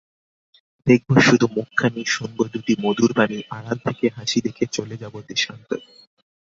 দেখব শুধু মুখখানি শুনব দুটি মধুর বাণী আড়াল থেকে হাসি দেখে চলে যাব দেশান্তরে।